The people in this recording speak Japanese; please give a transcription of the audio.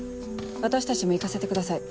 私たちも行かせてください。